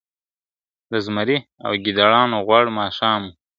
د زمري او ګیدړانو غوړ ماښام وو ..